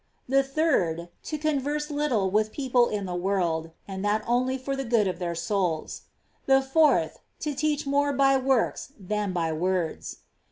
The third, to converse little with people in the world, and that only for the good of their souls. The fourth, to teach more by works than by words.